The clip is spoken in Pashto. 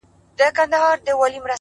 o ستا د خولې سا،